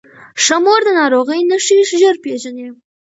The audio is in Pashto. ښه مور د ناروغۍ نښې ژر پیژني.